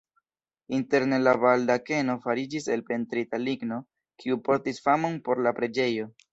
Interne la baldakeno fariĝis el pentrita ligno, kiu portis famon por la preĝejo.